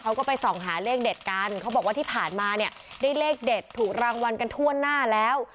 เขาก็ไปส่องหาเลขเด็ดกันเขาบอกว่าที่ผ่านมาเนี่ยได้เลขเด็ดถูกรางวัลกันทั่วหน้าแล้ว